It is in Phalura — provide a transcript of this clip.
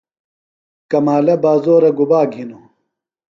کمالہ بازورہ گُبا گِھینوۡ؟